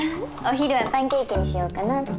お昼はパンケーキにしようかなって。